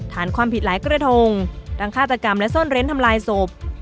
ฐานความผิดหลายกระทงทั้งฆาตกรรมและซ่อนเร้นทำลายศพ